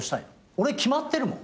俺も決まってるもん。